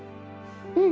うん！